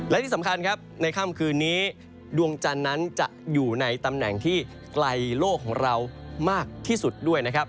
และที่สำคัญครับในค่ำคืนนี้ดวงจันทร์นั้นจะอยู่ในตำแหน่งที่ไกลโลกของเรามากที่สุดด้วยนะครับ